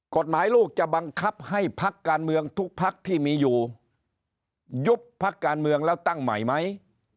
กฎหมายลูกจะบังคับให้พักการเมืองทุกพักที่มีอยู่ยุบพักการเมืองแล้วตั้งใหม่ไหม